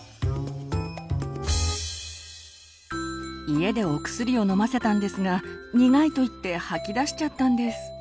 家でお薬を飲ませたんですが「苦い」と言って吐き出しちゃったんです。